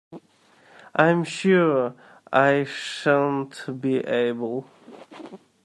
I’m sure I shan’t be able!